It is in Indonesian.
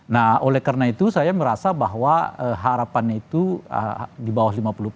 nah oleh karena itu saya merasa bahwa harapan itu di bawah lima puluh